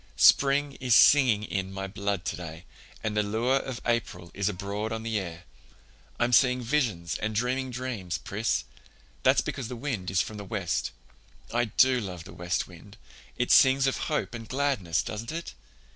"Spring is singing in my blood today, and the lure of April is abroad on the air. I'm seeing visions and dreaming dreams, Pris. That's because the wind is from the west. I do love the west wind. It sings of hope and gladness, doesn't it?